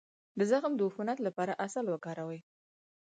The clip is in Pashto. د زخم د عفونت لپاره عسل وکاروئ